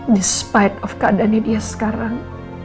despite of keadaannya dia sekarang